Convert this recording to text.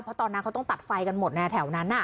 เพราะตอนนั้นเขาต้องตัดไฟกันหมดนะแถวนั้น